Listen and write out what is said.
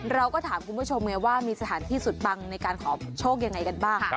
เราก็ถามคุณผู้ชมไงว่ามีสถานที่สุดปังในการขอโชคยังไงกันบ้าง